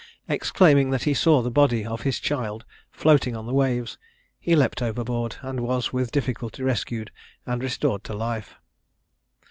Exclaiming that he saw the body of his child floating on the waves, he leaped overboard, and was with difficulty rescued and restored to life.